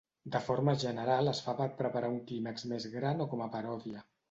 De forma general es fa per preparar un clímax més gran o com a paròdia.